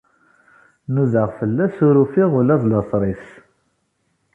Nudaɣ fell-as, ur ufiɣ ula d later-is.